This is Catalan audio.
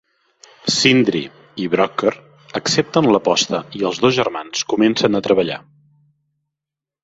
Sindri i Brokkr accepten l'aposta i els dos germans comencen a treballar.